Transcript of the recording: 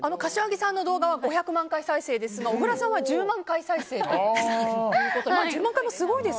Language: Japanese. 柏木さんの動画は５００万回再生ですが小倉さんは１０万回再生ということで。